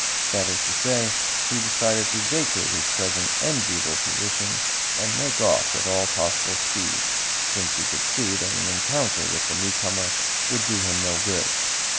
That is to say, he decided to vacate his present enviable position and make off with all possible speed, since he could see that an encounter with the newcomer would do him no good.